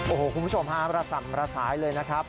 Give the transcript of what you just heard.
โอ้โหคุณผู้ชมฮะระส่ำระสายเลยนะครับ